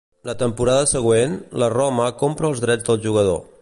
La temporada següent, la Roma compra els drets del jugador.